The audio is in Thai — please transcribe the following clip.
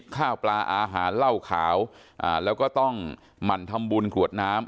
ข้าวปลาอาหารเหล้าขาวแล้วก็ต้องหมั่นทำบุญกรวดน้ำ